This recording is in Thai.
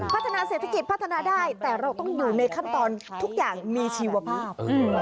พัฒนาเศรษฐกิจพัฒนาได้แต่เราต้องอยู่ในขั้นตอนทุกอย่างมีชีวภาพ